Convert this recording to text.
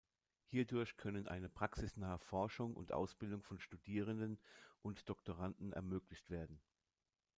Hierdurch können eine praxisnahe Forschung und Ausbildung von Studierenden und Doktoranden ermöglicht werden.